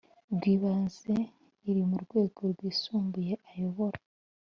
rw ibanze iri mu rwego rwisumbuye ayobora